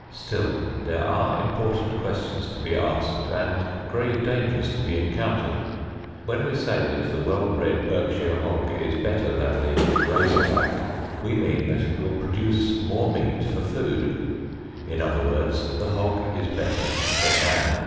Still there are important questions to be asked and grave dangers to be encountered. When we say that the well bred Berkshire hog is better than the "razor back," we mean that it will produce more meat for food. In other words the hog is better for man.